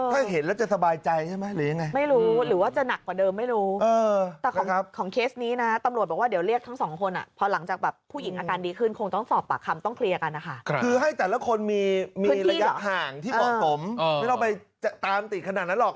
คือให้แต่ละคนมีระยะห่างที่บอกผมไม่ตามติดขนาดนั้นหรอก